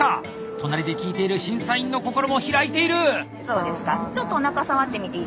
隣で聞いている審査員の心も開いている！